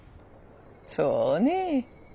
そうね。